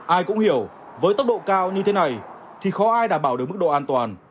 ai cũng hiểu với tốc độ cao như thế này thì khó ai đảm bảo được mức độ an toàn